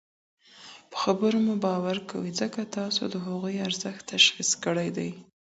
په خبرو مو باور کوي؛ ځکه تاسو د هغوی ارزښت تشخيص کړی دی